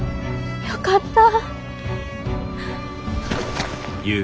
よかった。